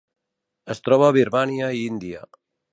Es troba a Birmània i Índia.